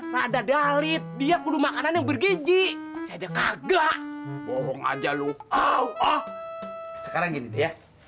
rada dalit dia kudu makanan yang bergizi saja kagak bohong aja lu sekarang gini ya